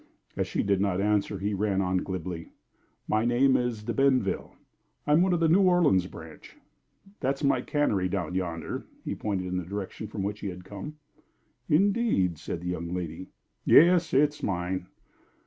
As she did not answer, he ran on, glibly: "My name is De Benville I'm one of the New Orleans branch. That's my cannery down yonder." He pointed in the direction from which he had just come. "Indeed!" said the young lady. "Yes. It's mine."